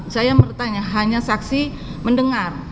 saya bertanya hanya saksi mendengar